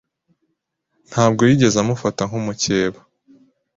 ntabwo yigeze amufata nk’umukeba